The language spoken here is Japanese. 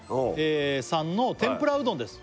「さんの天ぷらうどんです」